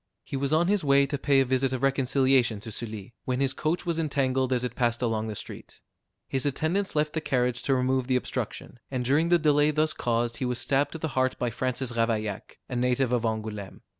He was on his way to pay a visit of reconciliation to Sully, when his coach was entangled as it passed along the street. His attendants left the carriage to remove the obstruction, and during the delay thus caused he was stabbed to the heart by Francis Ravaillac, a native of Angoulême.